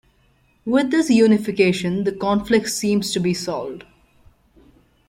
With this unification this conflict seems to be solved.